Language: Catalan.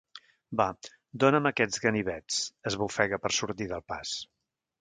Va, dóna'm aquests ganivets —esbufega per sortir del pas.